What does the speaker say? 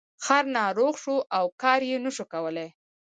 خر ناروغ شو او کار یې نشو کولی.